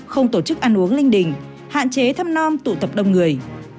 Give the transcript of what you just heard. không tổ chức ăn uống linh đình hạn chế thăm non tụ tập đông người